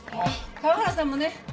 川原さんもね。